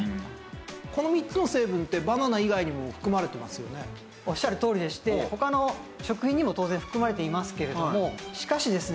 この３つの成分っておっしゃるとおりでして他の食品にも当然含まれていますけれどもしかしですね。